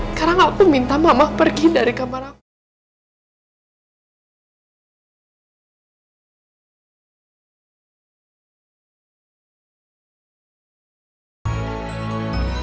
sekarang aku minta mama pergi dari kamar aku